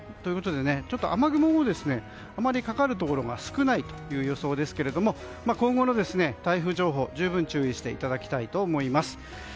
雨雲もあまりかかるところが少ないという予想ですけれども今後の台風情報十分注意していただきたいと思います。